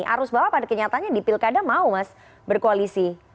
arus bawah pada kenyataannya di pilkada mau mas berkoalisi